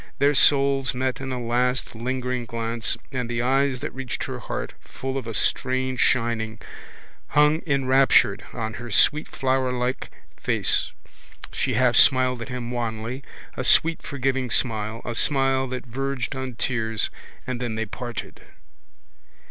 Their souls met in a last lingering glance and the eyes that reached her heart, full of a strange shining, hung enraptured on her sweet flowerlike face. She half smiled at him wanly, a sweet forgiving smile, a smile that verged on tears, and then they parted.